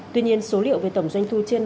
tuy nhiên số liệu về tổng doanh thu trên